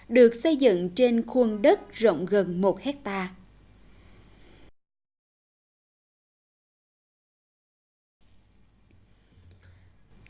được xây dựng trên khuôn đất rộng gần một hectare